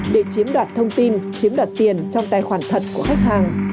để chiếm đoạt thông tin chiếm đoạt tiền trong tài khoản thật của khách hàng